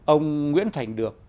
ông nguyễn thành được